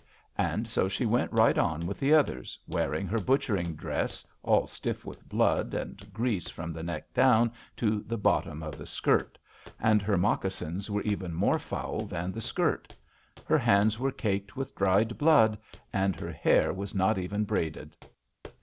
"And so she went right on with the others, wearing her butchering dress, all stiff with blood and grease from the neck down to the bottom of the skirt; and her moccasins were even more foul than the skirt. Her hands were caked with dried blood, and her hair was not even braided.